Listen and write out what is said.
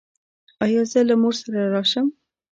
ایا زه له مور سره راشم؟